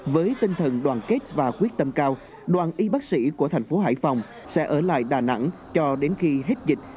với tinh thần đoàn kết và quyết tâm cao đoàn y bác sĩ của thành phố hải phòng sẽ ở lại đà nẵng cho đến khi hết dịch